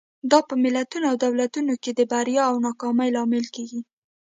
دا په ملتونو او دولتونو کې د بریا او ناکامۍ لامل کېږي.